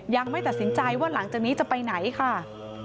ยังไม่ตัดสินใจว่าหลังจากนี้จะไปไหนค่ะ